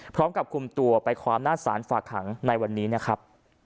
พร้อมกับคุมตัวไปความหน้าสารฝากหังในวันนี้นะครับ